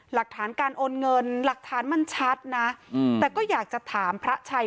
หลักฐานการโอนเงินหลักฐานมันชัดนะแต่ก็อยากจะถามพระชัย